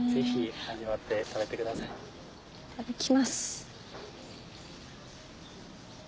いただきます。